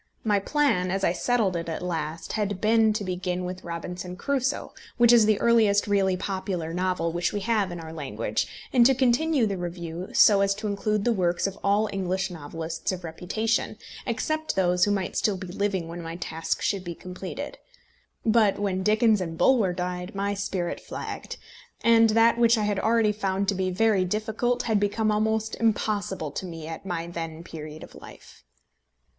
My plan, as I settled it at last, had been to begin with Robinson Crusoe, which is the earliest really popular novel which we have in our language, and to continue the review so as to include the works of all English novelists of reputation, except those who might still be living when my task should be completed. But when Dickens and Bulwer died, my spirit flagged, and that which I had already found to be very difficult had become almost impossible to me at my then period of life.